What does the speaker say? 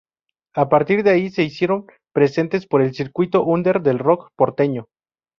A partir de ahí se hicieron presentes por el circuito under del rock porteño.